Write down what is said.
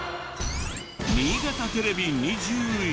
新潟テレビ２１